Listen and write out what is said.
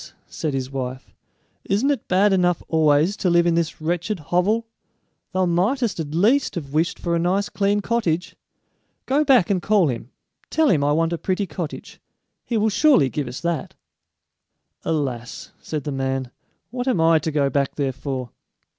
said his wife; "isn't it bad enough always to live in this wretched hovel? Thou mightest at least have wished for a nice clean cottage. Go back and call him; tell him I want a pretty cottage; he will surely give us that!" "Alas," said the man, "what am I to go back there for?"